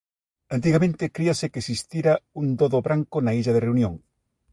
Antigamente críase que existira un dodo branco na illa de Reunión.